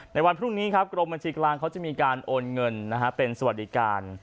ในวันพรุ่งนี้ครับกรมบัญชีกลางเขาจะมีการโอนเงินเป็นสวัสดิการ